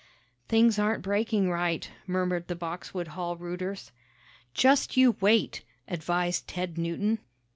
"Things aren't breaking right," murmured the Boxwood Hall rooters. "Just you wait," advised Ted Newton.